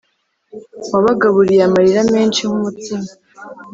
Wabagaburiye amarira menshi nk umutsima